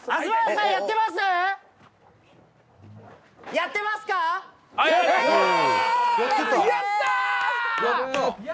やったー！